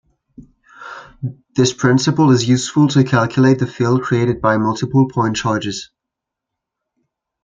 This principle is useful to calculate the field created by multiple point charges.